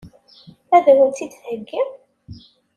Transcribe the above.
Ad wen-tt-id-theggi?